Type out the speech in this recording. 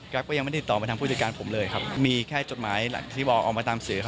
ยักษ์ก็ยังไม่ติดต่อมาถึงผู้ที่จัดการผมมีแค่จดหมายหลักที่บอกออกมาตามสื่อ